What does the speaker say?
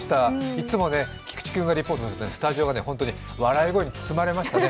いつも菊池君のリポートでスタジオが笑い声に包まれましたね。